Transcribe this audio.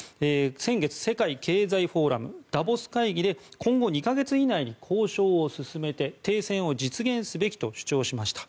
先月、世界経済フォーラムダボス会議で今後２か月以内に交渉を進めて停戦を実現すべきと主張しました。